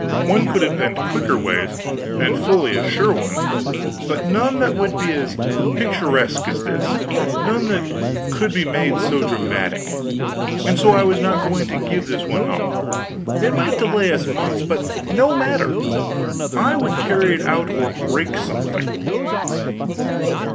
One could invent quicker ways, and fully as sure ones; but none that would be as picturesque as this; none that could be made so dramatic. And so I was not going to give this one up. It might delay us months, but no matter, I would carry it out or break something.